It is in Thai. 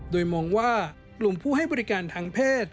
โดยมองว่ากลุ่มผู้ให้บริการทางเพศ